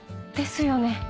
ですよね。